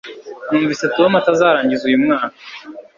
numvise tom atazarangiza uyu mwaka